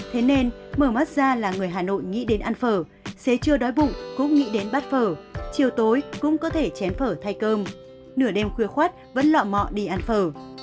thế nên mở mắt ra là người hà nội nghĩ đến ăn phở xế chưa đói bụng cũng nghĩ đến bắt phở chiều tối cũng có thể chén phở thay cơm nửa đêm khuya khuất vẫn lọ mọ đi ăn phở